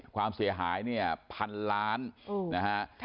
ความเสียหาย๑๐๐๐ล้านนะฮะ